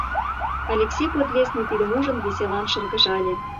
— Алексей Подлесный, тидым ужын, веселан шыргыжале.